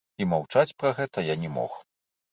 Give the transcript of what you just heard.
І маўчаць пра гэта я не мог.